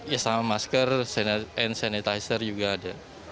ya sama masker hand sanitizer juga ada